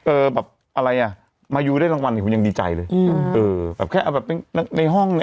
เออแบบอะไรอ่ะมายูได้รางวัลนี่ยังดีใจเลยแบบแค่เอาแบบนี้แล้วก็แบบนี้